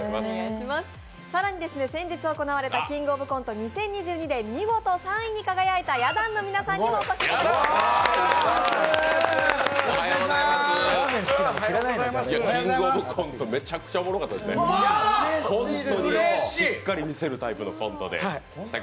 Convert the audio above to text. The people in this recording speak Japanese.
更に先日行われた「キングオブコント２０２２」で見事３位に輝いた、や団の皆さんにもお越しいただきました。